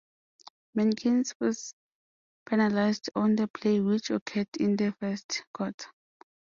Mankins was penalized on the play which occurred in the first quarter.